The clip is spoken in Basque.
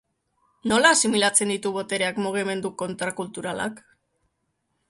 Nola asimilatzen ditu botereak mugimendu kontrakulturalak?